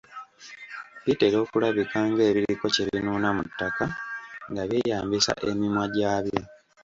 Bitera okulabika ng'ebiriko kye binuuna mu ttaka nga byeyambisa emimwa gyabyo .